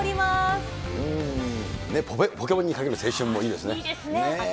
ポケモンにかける青春もいいいいですね。